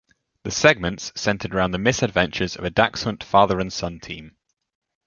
The segments centered around the misadventures of a dachshund father-and-son team.